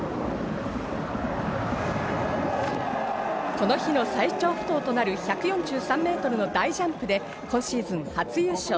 この日の最長不倒となる１４３メートルの大ジャンプで今シーズン初優勝。